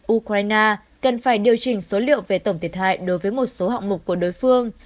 ukraine cần phải điều chỉnh số liệu về tổng thiệt hại đối với một số hạng mục của đối phương